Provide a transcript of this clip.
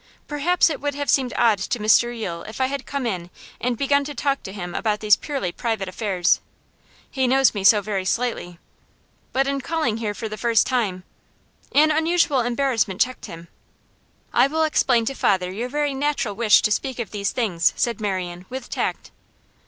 'Perhaps it would have seemed odd to Mr Yule if I had come in and begun to talk to him about these purely private affairs. He knows me so very slightly. But, in calling here for the first time ' An unusual embarrassment checked him. 'I will explain to father your very natural wish to speak of these things,' said Marian, with tact.